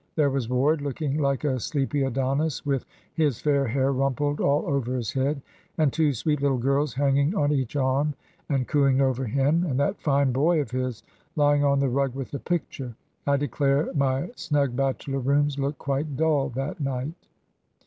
There was Ward, looking like a sleepy Adonis with his fair hair rumpled all over his head, and two sweet little girls hanging on each arm, and cooing over him; and that fine boy of his lying on the rug with a picture. I declare my snug bachelor rooms looked quite dull that night."